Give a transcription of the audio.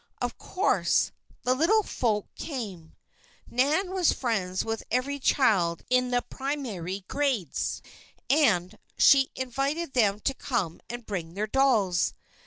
Of course, the little folk came; Nan was friends with every child in the primary grades, and she invited them to come and bring their dolls.